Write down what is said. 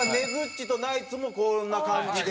ちとナイツもこんな感じで。